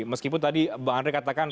meskipun tadi pak andri katakan